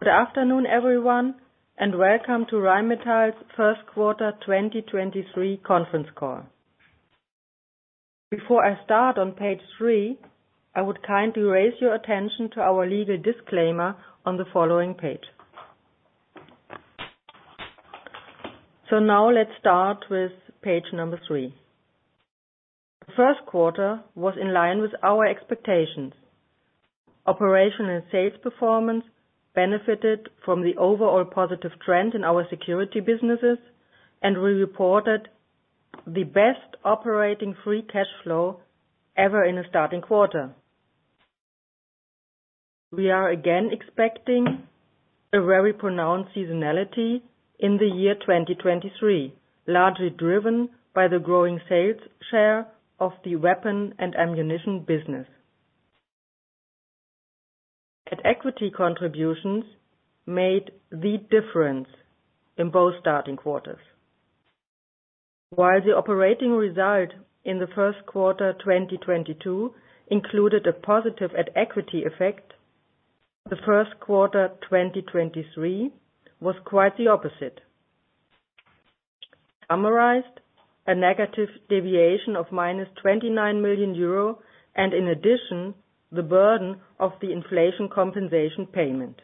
Good afternoon, everyone, and welcome to Rheinmetall's Q1 2023 conference call. Before I start on page three, I would kindly raise your attention to our legal disclaimer on the following page. Now let's start with page number three. Q1 was in line with our expectations. Operational sales performance benefited from the overall positive trend in our security businesses, and we reported the best operating free cash flow ever in a starting quarter. We are again expecting a very pronounced seasonality in the year 2023, largely driven by the growing sales share of the Weapon and Ammunition business. At equity contributions made the difference in both starting quarters. While the operating result in the Q1 2022 included a positive At equity effect, the Q1 2023 was quite the opposite. Summarized, a negative deviation of minus 29 million euro and in addition, the burden of the inflation compensation payment.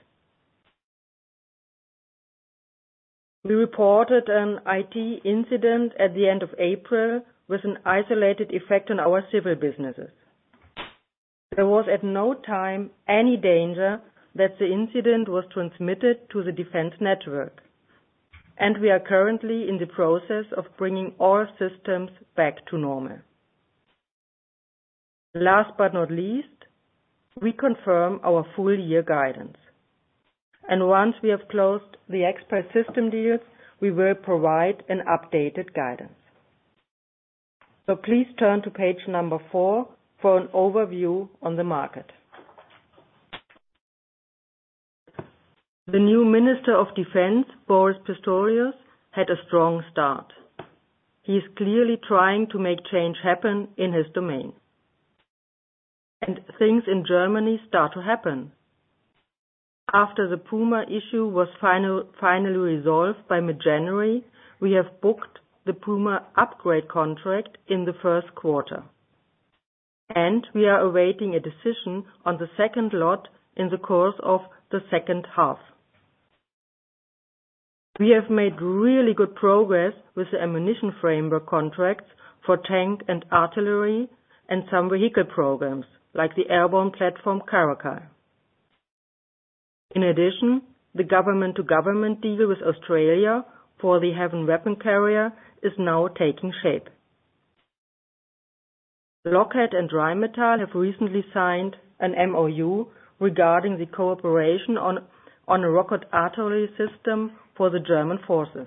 We reported an IT incident at the end of April with an isolated effect on our civil businesses. There was at no time any danger that the incident was transmitted to the defense network, and we are currently in the process of bringing all systems back to normal. Last but not least, we confirm our full year guidance. Once we have closed the Expal Systems deal, we will provide an updated guidance. Please turn to page number four for an overview on the market. The new Minister of Defense, Boris Pistorius, had a strong start. He is clearly trying to make change happen in his domain. Things in Germany start to happen. After the Puma issue was final, finally resolved by mid-January, we have booked the Puma upgrade contract in the Q1. We are awaiting a decision on the second lot in the course of the second half. We have made really good progress with the ammunition framework contracts for tank and artillery and some vehicle programs, like the airborne platform Caracal. In addition, the government to government deal with Australia for the Heavy Weapon Carrier is now taking shape. Lockheed and Rheinmetall have recently signed an MoU regarding the cooperation on a rocket artillery system for the German forces.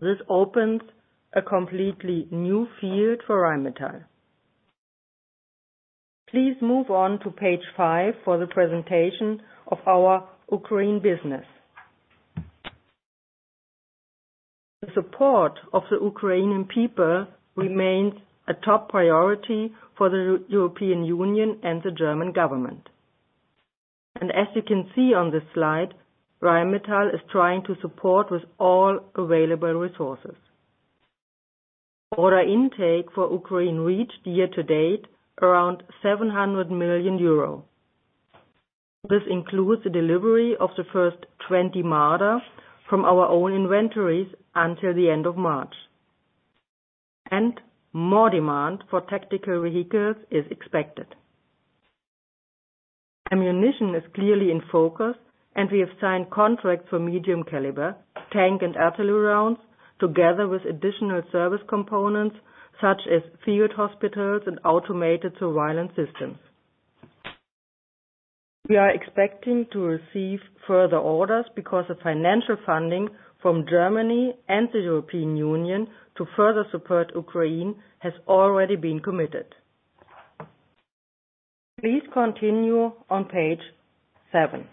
This opens a completely new field for Rheinmetall. Please move on to page five for the presentation of our Ukraine business. The support of the Ukrainian people remains a top priority for the European Union and the German government. As you can see on this slide, Rheinmetall is trying to support with all available resources. Order intake for Ukraine reached year to date around 700 million euro. This includes the delivery of the first 20 Marder from our own inventories until the end of March. More demand for tactical vehicles is expected. Ammunition is clearly in focus, and we have signed contracts for medium caliber, tank and artillery rounds, together with additional service components such as field hospitals and automated surveillance systems. We are expecting to receive further orders because the financial funding from Germany and the European Union to further support Ukraine has already been committed. Please continue on page 7.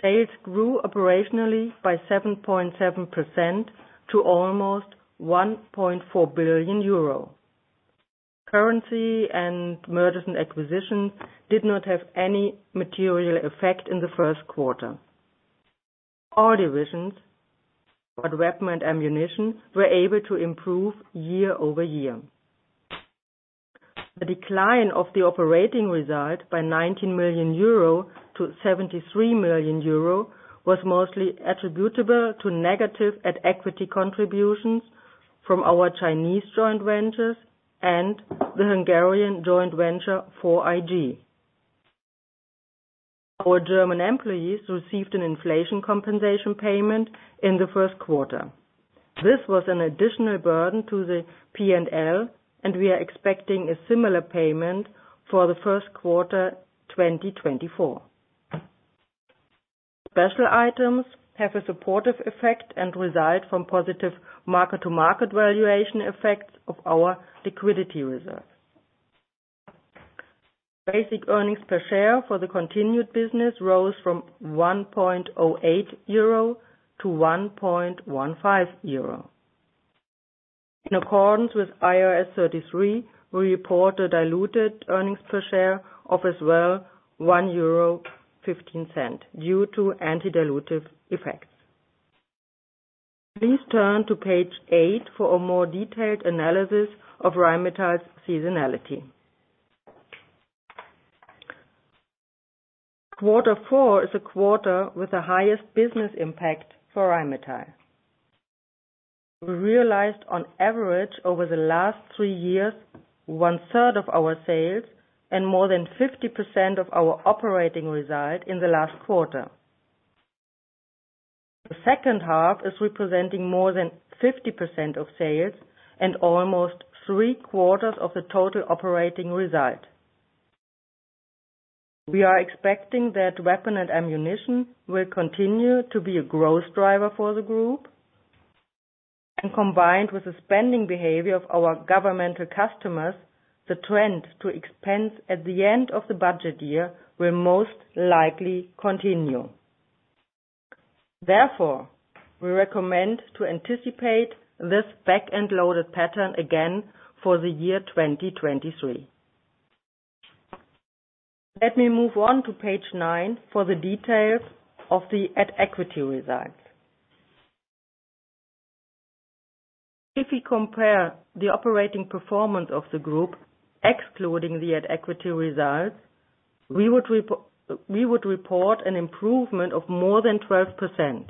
Sales grew operationally by 7.7% to almost 1.4 billion euro. Currency and mergers and acquisitions did not have any material effect in the Q1. All divisions, but Weapon and Ammunition, were able to improve year-over-year. The decline of the operating result by 19 million euro to 73 million euro was mostly attributable to negative at equity contributions from our Chinese joint ventures and the Hungarian joint venture for IG. Our German employees received an inflation compensation payment in the Q1. This was an additional burden to the P&L, and we are expecting a similar payment for the Q1, 2024. Special items have a supportive effect and reside from positive market to market valuation effects of our liquidity reserve. Basic earnings per share for the continued business rose from 1.08 euro to 1.15 euro. In accordance with IAS 33, we report the diluted earnings per share of as well 1.15 euro due to anti-dilutive effects. Please turn to page 8 for a more detailed analysis of Rheinmetall's seasonality. Quarter 4 is a quarter with the highest business impact for Rheinmetall. We realized on average over the last three years, 1/3 of our sales and more than 50% of our operating result in the last quarter. The second half is representing more than 50% of sales and almost 3/4 of the total operating result. We are expecting that Weapon and Ammunition will continue to be a growth driver for the group, and combined with the spending behavior of our governmental customers, the trend to expense at the end of the budget year will most likely continue. Therefore, we recommend to anticipate this back-end loaded pattern again for the year 2023. Let me move on to page 9 for the details of the At Equity results. If we compare the operating performance of the group excluding the At Equity results, we would report an improvement of more than 12%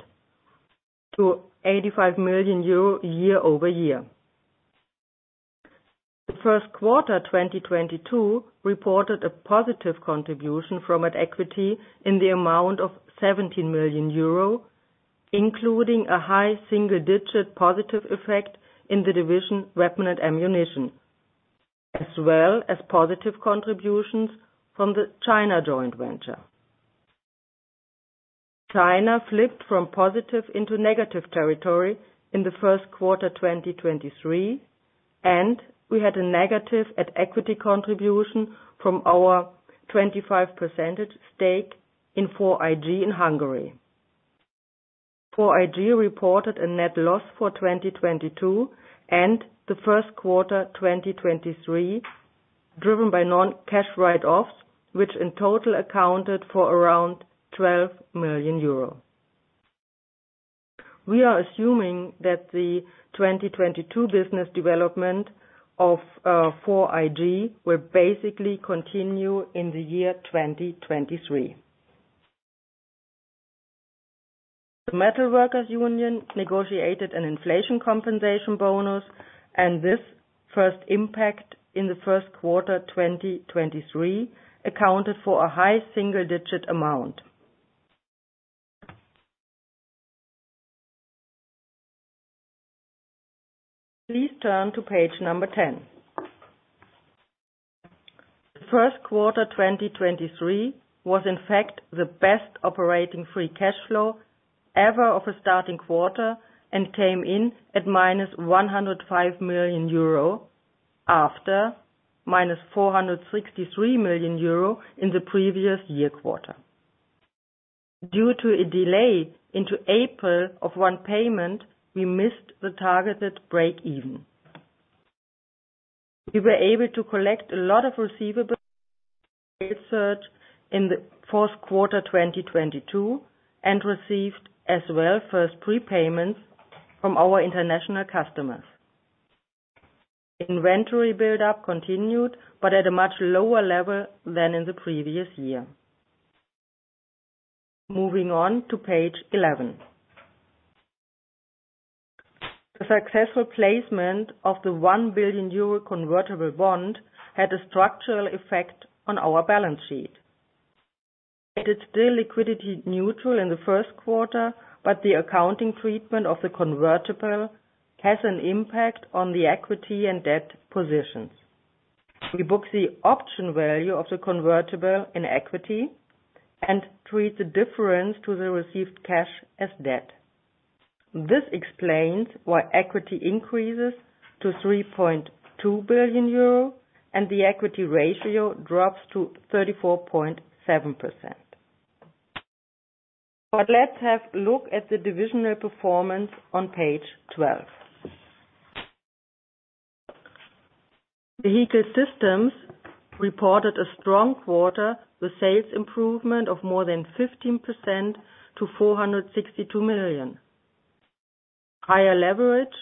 to EUR 85 million year-over-year. The Q1, 2022 reported a positive contribution from At Equity in the amount of 17 million euro, including a high single digit positive effect in the division Weapon & Ammunition, as well as positive contributions from the China joint venture. China flipped from positive into negative territory in the Q1, 2023, and we had a negative At Equity contribution from our 25% stake in 4iG in Hungary. 4iG reported a net loss for 2022 and the Q1, 2023, driven by non-cash write-offs, which in total accounted for around 12 million euro. We are assuming that the 2022 business development of 4iG will basically continue in the year 2023. The Metalworkers Union negotiated an inflation compensation bonus, this first impact in the Q1 2023 accounted for a high single-digit amount. Please turn to page 10. The Q1 2023 was in fact the best operating free cash flow ever of a starting quarter and came in at -105 million euro, after -463 million euro in the previous year quarter. Due to a delay into April of one payment, we missed the targeted break-even. We were able to collect a lot of receivables in the Q4 2022, and received as well first prepayments from our international customers. Inventory buildup continued, but at a much lower level than in the previous year. Moving on to page 11. The successful placement of the 1 billion euro convertible bond had a structural effect on our balance sheet. It is still liquidity neutral in the Q1, but the accounting treatment of the convertible has an impact on the equity and debt positions. We book the option value of the convertible in equity and treat the difference to the received cash as debt. This explains why equity increases to 3.2 billion euro and the equity ratio drops to 34.7%. Let's have a look at the divisional performance on page 12. Vehicle Systems reported a strong quarter with sales improvement of more than 15% to 462 million. Higher leverage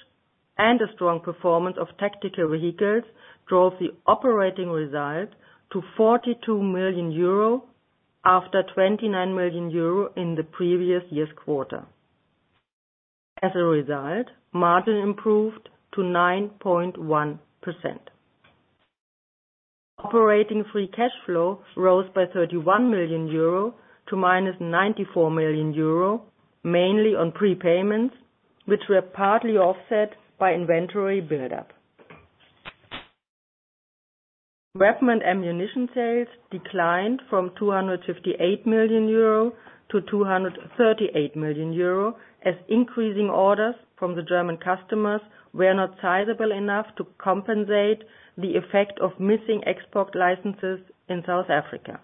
and a strong performance of tactical vehicles drove the operating result to 42 million euro after 29 million euro in the previous year's quarter. Result, margin improved to 9.1%. Operating free cash flow rose by 31 million euro to minus 94 million euro, mainly on prepayments, which were partly offset by inventory buildup. Weapon & Ammunition sales declined from 258 million euro to 238 million euro, as increasing orders from the German customers were not sizable enough to compensate the effect of missing Expal licenses in South Africa.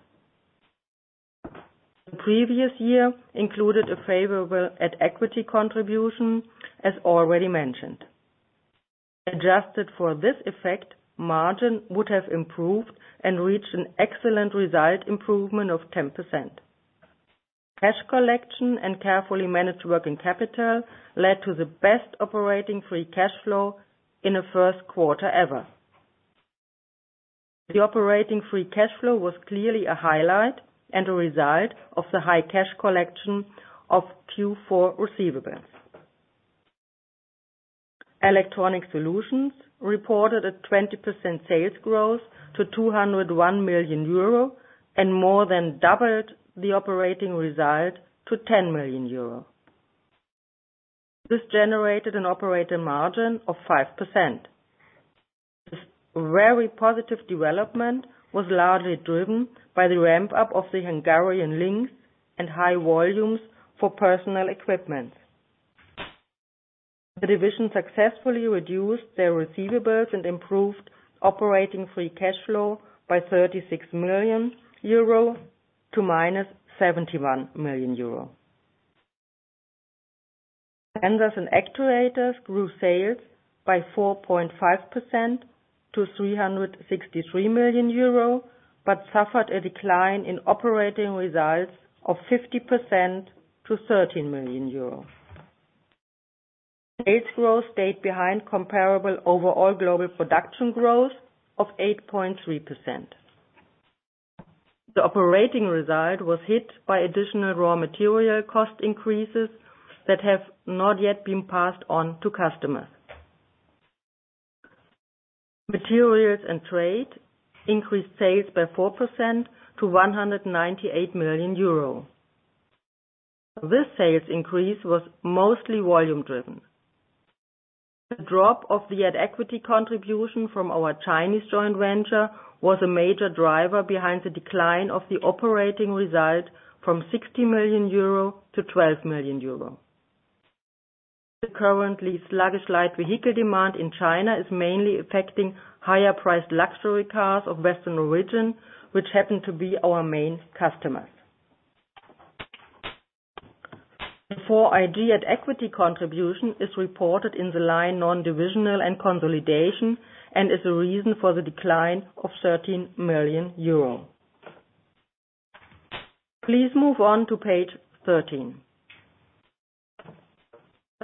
The previous year included a favorable at equity contribution, as already mentioned. Adjusted for this effect, margin would have improved and reached an excellent result improvement of 10%. Cash collection and carefully managed working capital led to the best operating free cash flow in the Q1 ever. The operating free cash flow was clearly a highlight and a result of the high cash collection of Q4 receivables. Electronic Solutions reported a 20% sales growth to 201 million euro and more than doubled the operating result to 10 million euro. This generated an operating margin of 5%. This very positive development was largely driven by the ramp-up of the Hungarian Lynx and high volumes for personal equipment. The division successfully reduced their receivables and improved operating free cash flow by 36 million euro to -71 million euro. Sensors and Actuators grew sales by 4.5% to 363 million euro, suffered a decline in operating results of 50% to 13 million euro. Sales growth stayed behind comparable overall global production growth of 8.3%. The operating result was hit by additional raw material cost increases that have not yet been passed on to customers. Materials and Trade increased sales by 4% to 198 million euro. This sales increase was mostly volume driven. The drop of the at equity contribution from our Chinese joint venture was a major driver behind the decline of the operating result from 60 million euro to 12 million euro. The currently sluggish light vehicle demand in China is mainly affecting higher priced luxury cars of Western origin, which happen to be our main customers. Before IG at equity contribution is reported in the line non-divisional and consolidation and is a reason for the decline of 13 million euro. Please move on to page 13.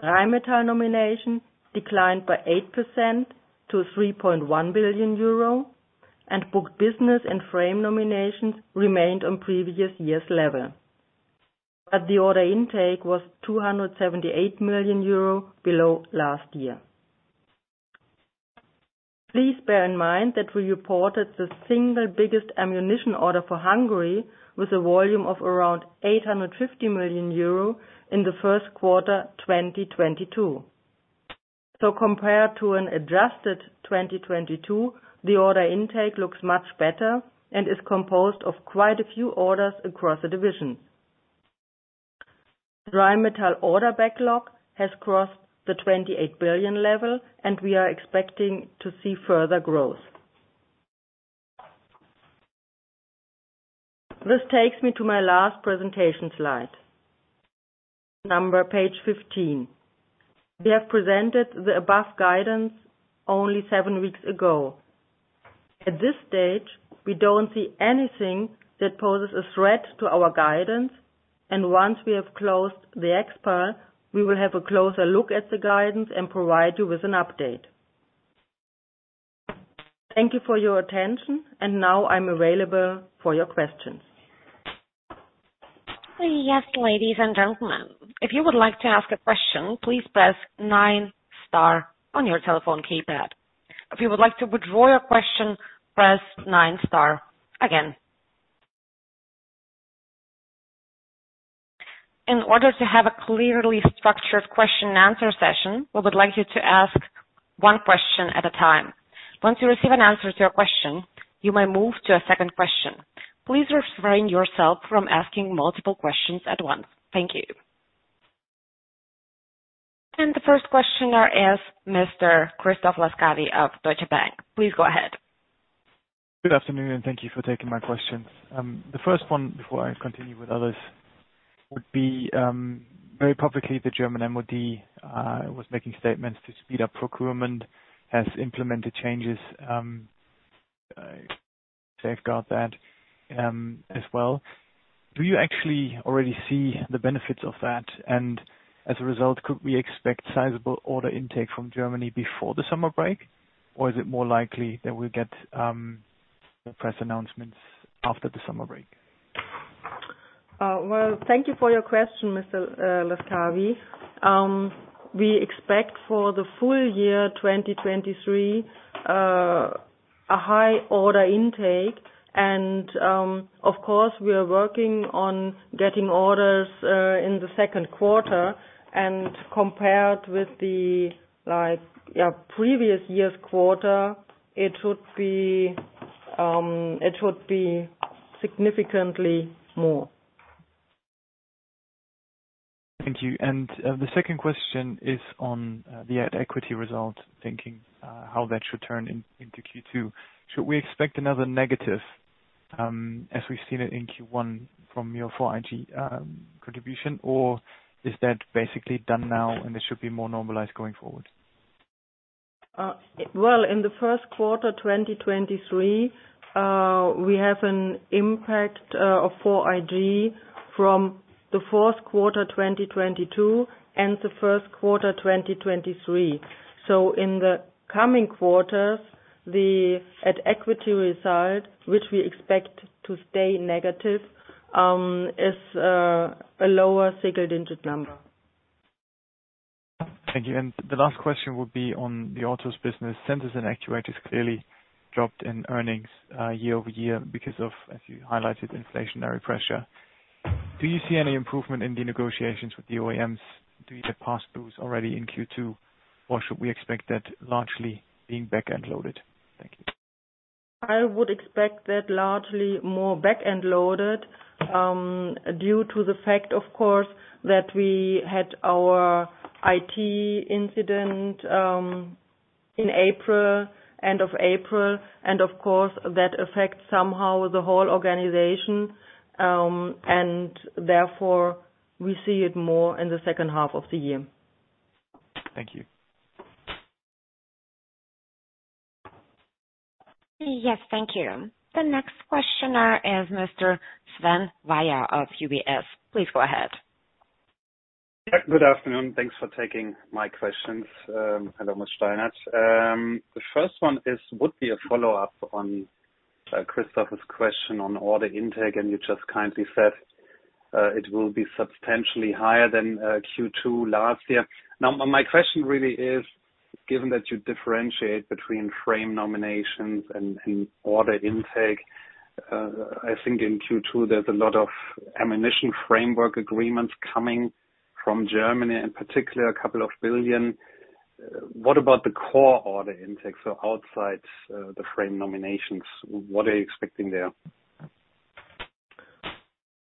Rheinmetall nomination declined by 8% to 3.1 billion euro and booked business and frame nominations remained on previous year's level. The order intake was 278 million euro below last year. Please bear in mind that we reported the single biggest ammunition order for Hungary with a volume of around 850 million euro in the Q1, 2022. Compared to an adjusted 2022, the order intake looks much better and is composed of quite a few orders across the divisions. Rheinmetall order backlog has crossed the 28 billion level and we are expecting to see further growth. This takes me to my last presentation slide, number page 15. We have presented the above guidance only seven weeks ago. At this stage, we don't see anything that poses a threat to our guidance, and once we have closed the Expal, we will have a closer look at the guidance and provide you with an update. Thank you for your attention and now I'm available for your questions. Yes, ladies and gentlemen, if you would like to ask a question, please press nine star on your telephone keypad. If you would like to withdraw your question, press nine star again. In order to have a clearly structured question and answer session, we would like you to ask one question at a time. Once you receive an answer to your question, you may move to a second question. Please refrain yourself from asking multiple questions at once. Thank you. The first questioner is Mr. Christoph Laskawy of Deutsche Bank. Please go ahead. Good afternoon, and thank you for taking my questions. The first one before I continue with others would be, very publicly, the German MoD, was making statements to speed up procurement, has implemented changes, safeguard that, as well. Do you actually already see the benefits of that? And as a result, could we expect sizable order intake from Germany before the summer break? Or is it more likely that we'll get press announcements after the summer break? Thank you for your question, Mr. Laskawi. We expect for the full year 2023, a high order intake and, of course, we are working on getting orders in the Q2 and compared with the previous year's quarter it would be significantly more. Thank you. The second question is on the at equity result, thinking how that should turn into Q2. Should we expect another negative as we've seen it in Q1 from your 4iG contribution? Or is that basically done now and it should be more normalized going forward? Well, in the Q1, 2023, we have an impact of 4iG from the Q4, 2022 and the Q1, 2023. In the coming quarters, the at equity result, which we expect to stay negative, is a lower single-digit number. Thank you. The last question would be on the Autos business. Sensors & Actuators clearly dropped in earnings, year-over-year because of, as you highlighted, inflationary pressure. Do you see any improvement in the negotiations with the OEMs? Do you get pass-throughs already in Q2, or should we expect that largely being back end loaded? Thank you. I would expect that largely more back end loaded, due to the fact, of course, that we had our IT incident, in April, end of April and of course that affects somehow the whole organization, and therefore we see it more in the second half of the year. Thank you. Yes, thank you. The next questioner is Mr. Sven Weier of UBS. Please go ahead. Good afternoon. Thanks for taking my questions. Hello, Ms. Steinert. The first one is, would be a follow-up on Christopher's question on order intake, and you just kindly said, it will be substantially higher than Q2 last year. Now, my question really is, given that you differentiate between frame nominations and order intake, I think in Q2 there's a lot of ammunition framework agreements coming from Germany, in particular, a couple of billion EUR. What about the core order intake, so outside the frame nominations, what are you expecting there?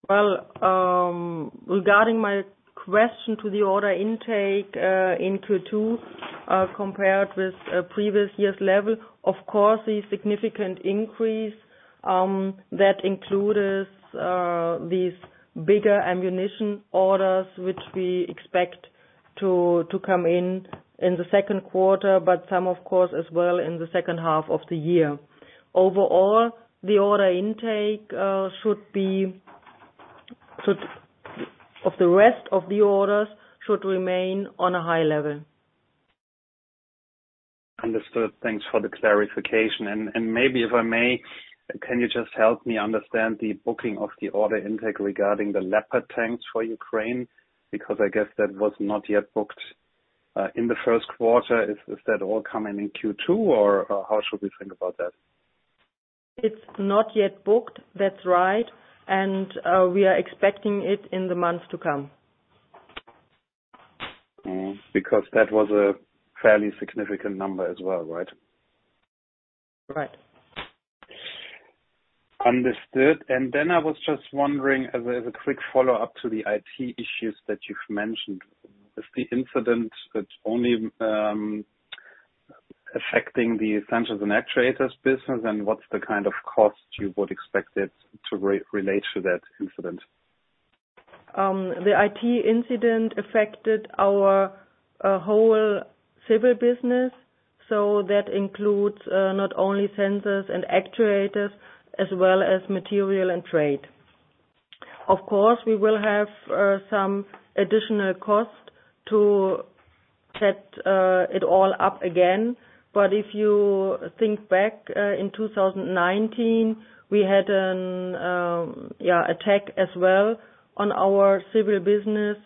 Regarding my question to the order intake in Q2, compared with previous years' level, of course a significant increase, that includes these bigger ammunition orders which we expect to come in the 2nd quarter, but some of course as well in the 2nd half of the year. Overall, the order intake should remain on a high level. Understood. Thanks for the clarification. Maybe if I may, can you just help me understand the booking of the order intake regarding the Leopard tanks for Ukraine? Because I guess that was not yet booked in the Q1. Is that all coming in Q two, or how should we think about that? It's not yet booked. That's right. We are expecting it in the months to come. That was a fairly significant number as well, right? Right. Understood. I was just wondering, as a quick follow-up to the IT issues that you've mentioned. Is the incident that's only affecting the Sensors & Actuators business, and what's the kind of cost you would expect it to relate to that incident? The IT incident affected our whole civil business, that includes not only Sensors and Actuators, as well as Materials and Trade. Of course, we will have some additional cost to set it all up again. If you think back in 2019, we had an attack as well on our civil business.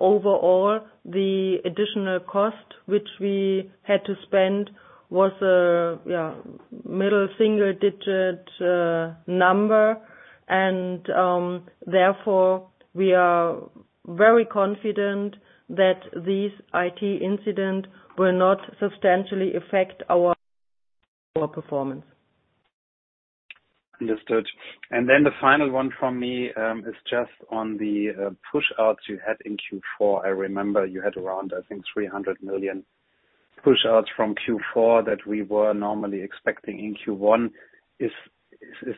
Overall, the additional cost which we had to spend was middle single digit number. Therefore, we are very confident that this IT incident will not substantially affect our performance. Understood. The final one from me, is just on the push outs you had in Q4. I remember you had around, I think, 300 million push outs from Q4 that we were normally expecting in Q1. Is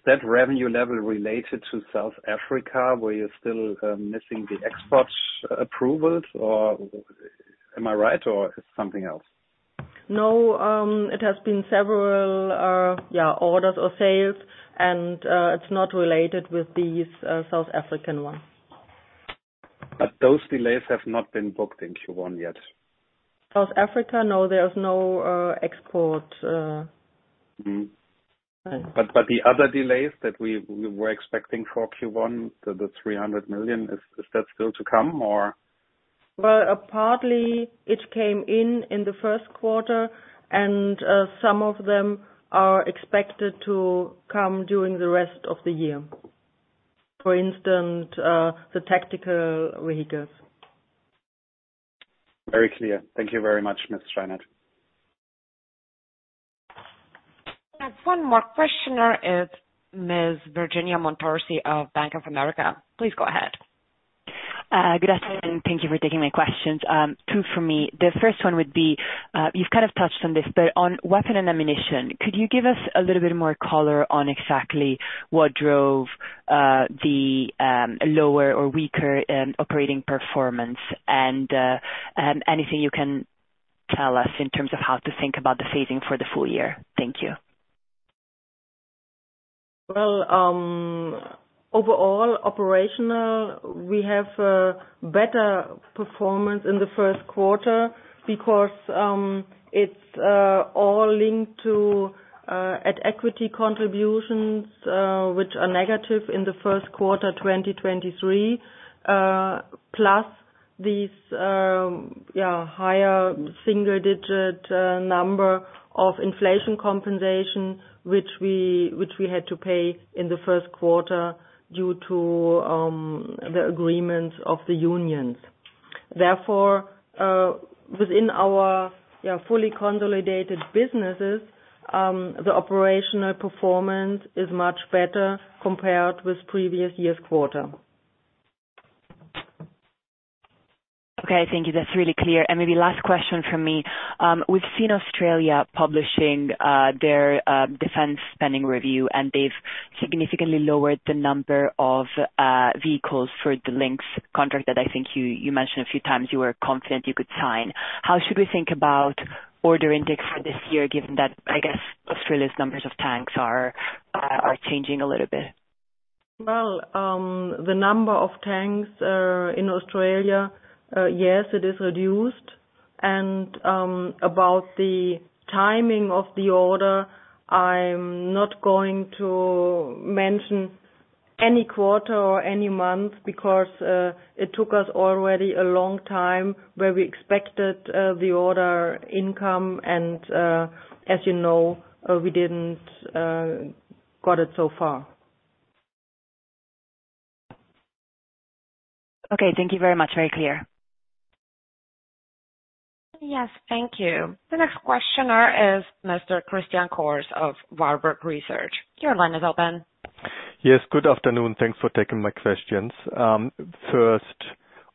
that revenue level related to South Africa, where you're still missing the Expal approvals? Or am I right, or it's something else? No. It has been several, yeah, orders or sales and it's not related with these South African ones. Those delays have not been booked in Q1 yet? South Africa, no, there's no Expal. The other delays that we were expecting for Q1, the 300 million, is that still to come or? Well, partly it came in in the Q1 and some of them are expected to come during the rest of the year. For instance, the tactical vehicles. Very clear. Thank you very much, Ms. Steinert. One more questioner is Ms. Virginia Montorsi of Bank of America. Please go ahead. Good afternoon. Thank you for taking my questions. Two for me. The first one would be, you've kind of touched on this, but on Weapon and Ammunition, could you give us a little bit more color on exactly what drove the lower or weaker operating performance and anything you can tell us in terms of how to think about the phasing for the full year? Thank you. Overall operational, we have better performance in the Q1 because it's all linked to at equity contributions which are negative in the Q1 2023, plus these higher single-digit number of inflation compensation, which we had to pay in the Q1 due to the agreements of the unions. Therefore, within our fully consolidated businesses, the operational performance is much better compared with previous years' quarter. Okay, thank you. That's really clear. Maybe last question from me. We've seen Australia publishing their defense spending review, they've significantly lowered the number of vehicles for the Lynx contract that I think you mentioned a few times you were confident you could sign. How should we think about order index for this year, given that, I guess, Australia's numbers of tanks are changing a little bit? Well, the number of tanks in Australia, yes, it is reduced. About the timing of the order, I'm not going to mention any quarter or any month because it took us already a long time where we expected the order income and, as you know, we didn't got it so far. Okay, thank you very much. Very clear. Yes, thank you. The next questioner is Mr. Christian Cohrs of Warburg Research. Your line is open. Yes, good afternoon. Thanks for taking my questions. First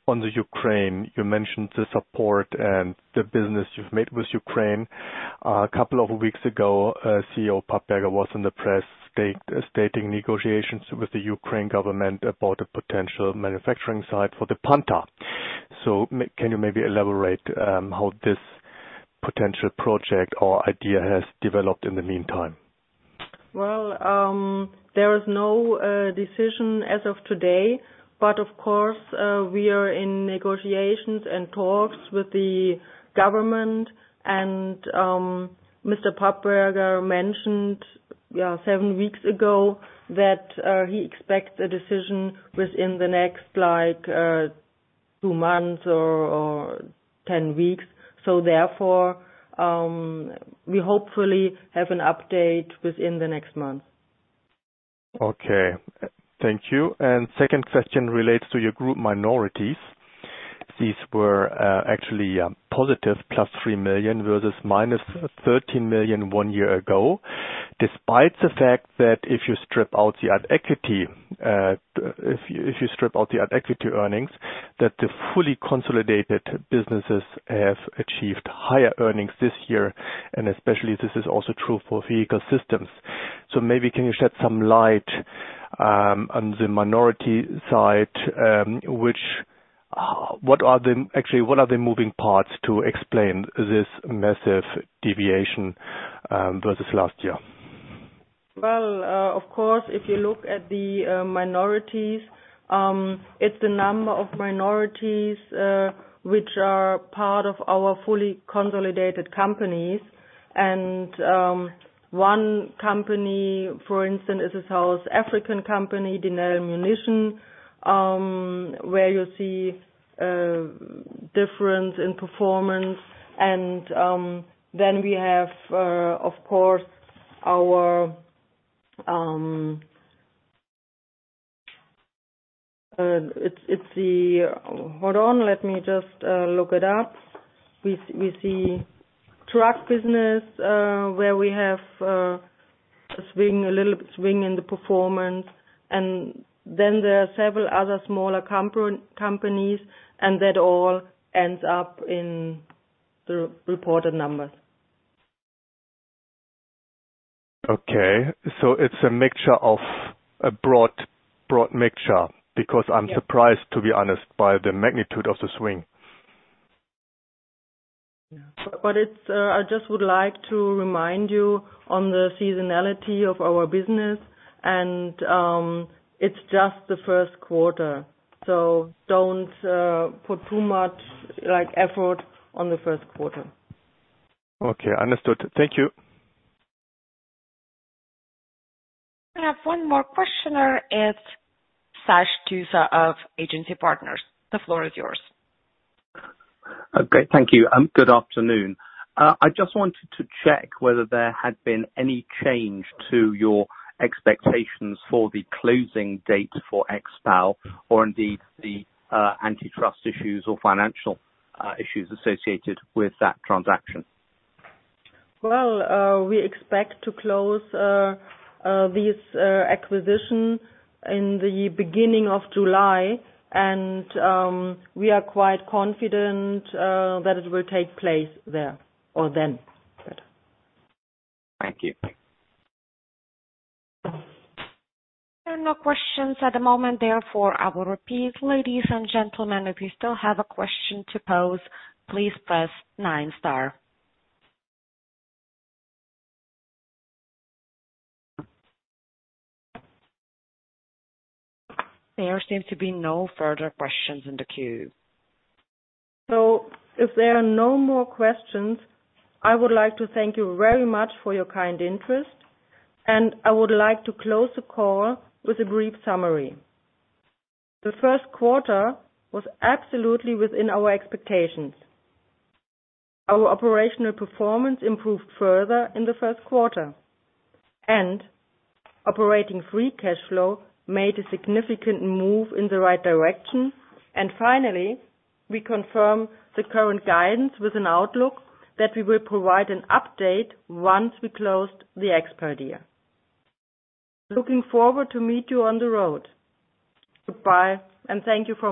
on the Ukraine, you mentioned the support and the business you've made with Ukraine. A couple of weeks ago, CEO Papperger was in the press stating negotiations with the Ukraine government about a potential manufacturing site for the Panther. Can you maybe elaborate how this potential project or idea has developed in the meantime? Well, there is no decision as of today, but of course, we are in negotiations and talks with the government and Mr. Papperger mentioned, yeah, 7 weeks ago that he expects a decision within the next, like, two months or 10 weeks. Therefore, we hopefully have an update within the next month. Okay. Thank you. Second question relates to your group minorities. These were actually positive, +3 million versus -13 million 1 year ago. Despite the fact that if you strip out the equity, if you strip out the equity earnings, that the fully consolidated businesses have achieved higher earnings this year, and especially this is also true for Vehicle Systems. Maybe can you shed some light on the minority side, which Actually, what are the moving parts to explain this massive deviation versus last year? Well, of course, if you look at the minorities, it's the number of minorities which are part of our fully consolidated companies. One company, for instance, is a South African company, Denel Munition, where you see a difference in performance. Then we have, of course, our. Hold on, let me just look it up. We see truck business where we have a swing, a little bit swing in the performance, and then there are several other smaller companies. That all ends up in the reported numbers. Okay. It's a mixture of a broad mixture. Yeah. I'm surprised, to be honest, by the magnitude of the swing. It's, I just would like to remind you on the seasonality of our business and, it's just the Q1. Don't, put too much, like, effort on the Q1. Okay, understood. Thank you. I have one more questioner. It's Sash Tusa of Agency Partners. The floor is yours. Okay, thank you and good afternoon. I just wanted to check whether there had been any change to your expectations for the closing date for Expal or indeed the antitrust issues or financial issues associated with that transaction. Well, we expect to close this acquisition in the beginning of July and we are quite confident that it will take place there or then. Good. Thank you. There are no questions at the moment, therefore I will repeat. Ladies and gentlemen, if you still have a question to pose, please press nine star. There seems to be no further questions in the queue. If there are no more questions, I would like to thank you very much for your kind interest, and I would like to close the call with a brief summary. The Q1 was absolutely within our expectations. Our operational performance improved further in the Q1, and operating free cash flow made a significant move in the right direction. Finally, we confirm the current guidance with an outlook that we will provide an update once we closed the Expal deal. Looking forward to meet you on the road. Goodbye. Thank you for your interest.